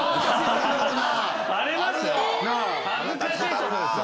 恥ずかしいことですよ。